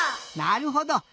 なるほど！